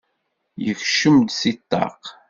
Yekcem-d seg ṭṭaq.